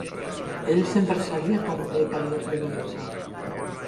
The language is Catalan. Ell sempre sabia com li calia produir-se.